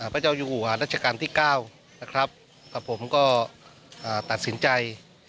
พระเจ้าอยู่หัวรัชกาลที่๙นะครับกับผมก็ตัดสินใจ